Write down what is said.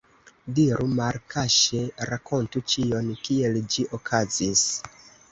Diru malkaŝe, rakontu ĉion, kiel ĝi okazis!